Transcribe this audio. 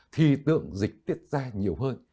thì tượng dịch tiết ra nhiều hơn